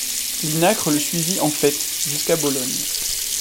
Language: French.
Linacre le suivit en fait jusqu'à Bologne.